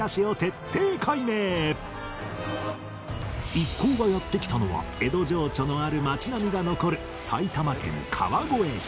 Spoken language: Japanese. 一行がやって来たのは江戸情緒のある町並みが残る埼玉県川越市